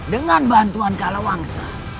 dengan bantuan kalawangsa